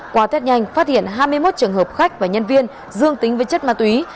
qua tết nhanh phát hiện hai mươi một trường hợp khách và nhân viên dương tính với chất ma túy